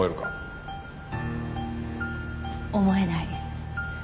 思えない。